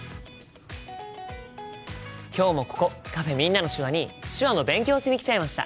今日もここカフェ「みんなの手話」に手話の勉強しに来ちゃいました。